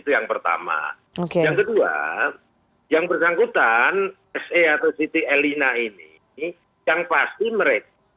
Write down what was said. yang pasti mereka